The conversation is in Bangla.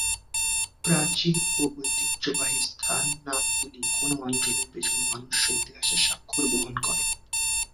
প্রাচীন ও ঐতিহ্যবাহী স্থান-নামগুলি কোন অঞ্চলের পেছনের মনুষ্য ইতিহাসের স্বাক্ষর বহন করে।